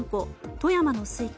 富山のスイカ